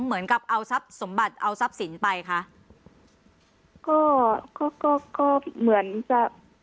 เหมือนกับเอาทรัพย์สมบัติเอาทรัพย์สินไปคะก็ก็ก็ก็ก็เหมือนจะ